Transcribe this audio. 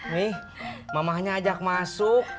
nih mamahnya ajak masuk